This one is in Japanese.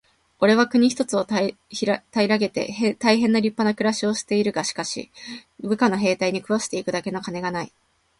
「おれは国一つを平げて大へん立派な暮しをしている。がしかし、部下の兵隊に食わして行くだけの金がない。」